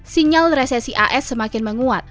sinyal resesi as semakin menguat